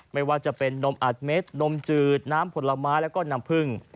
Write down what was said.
ไม่ว่าจะเป็นนมอัดเม็ดนมจืดน้ำผลไม้แล้วก็น้ำผึ้ง